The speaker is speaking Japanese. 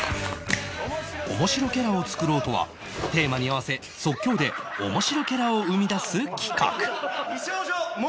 「面白キャラを作ろう！！」とはテーマに合わせ即興で面白キャラを生み出す企画